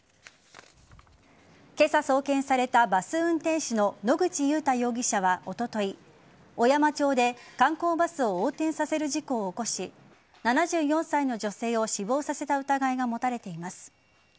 今朝、送検されたバス運転手の野口祐太容疑者はおととい、小山町で観光バスを横転させる事故を起こし７４歳の女性を死亡させた疑いが持たれています。